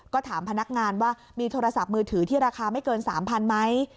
ก็ถามพนักงานว่ามีโทรศัพท์มือถือที่ราคาไม่เกิน๓๐๐ไหม